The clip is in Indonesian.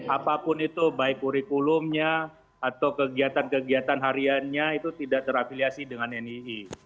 apapun itu baik kurikulumnya atau kegiatan kegiatan hariannya itu tidak terafiliasi dengan nii